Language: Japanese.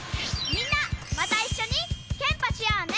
みんなまたいっしょにケンパしようね！